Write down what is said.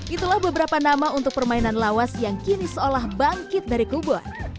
itulah beberapa nama untuk permainan lawas yang kini seolah bangkit dari kubur